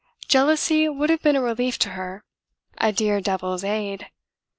Jealousy would have been a relief to her, a dear devil's aid.